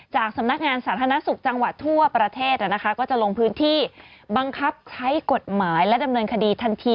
สำนักงานสาธารณสุขจังหวัดทั่วประเทศก็จะลงพื้นที่บังคับใช้กฎหมายและดำเนินคดีทันที